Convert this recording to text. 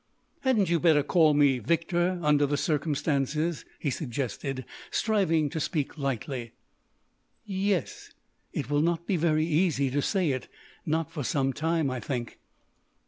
"Hadn't you better call me Victor—under the circumstances?" he suggested, striving to speak lightly. "Yes.... It will not be very easy to say it—not for some time, I think."